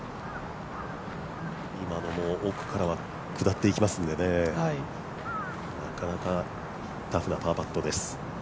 今のも奥からは下っていきますので、なかなか、タフなパーパットです。